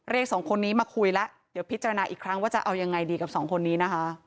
สองคนนี้มาคุยแล้วเดี๋ยวพิจารณาอีกครั้งว่าจะเอายังไงดีกับสองคนนี้นะคะ